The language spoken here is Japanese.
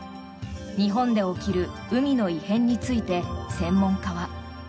日本で起きる海の異変について専門家は。